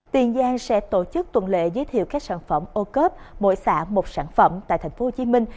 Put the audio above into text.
tiền giang sẽ tổ chức tuần lệ giới thiệu các sản phẩm ô cớp mỗi xã một sản phẩm tại thành phố hồ chí minh